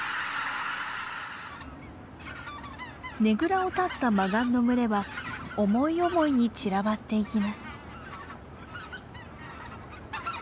ねぐらをたったマガンの群れは思い思いに散らばっていきます。